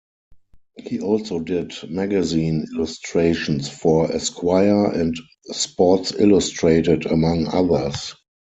He also did magazine illustrations for "Esquire" and "Sports Illustrated", among others.